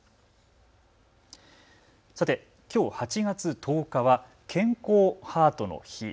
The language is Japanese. さて、きょう８月１０日は健康ハートの日。